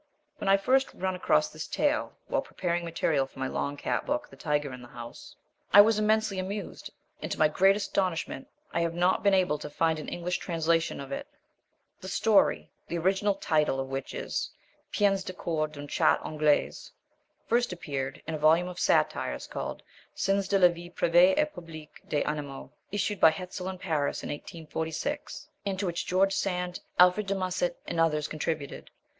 When I first run across this tale while preparing material for my long cat book, The Tiger in the House, I was immensely amused, and to my great astonishment I have not been able to find an English translation of it. The story, the original title of which is Peines de coeur d'une chatte anglaise, first appeared in a volume of satires called Scènes de la vie privée et publique des animaux, issued by Hetzel in Paris in 1846, and to which George Sand, Alfred de Musset, and others contributed.